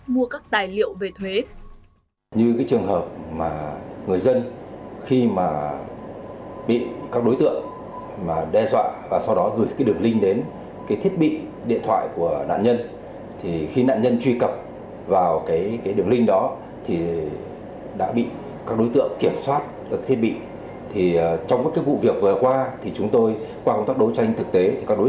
mua các tài liệu về thuế